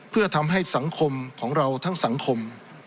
เพื่อทำให้สังคมของเราทั้งสังคม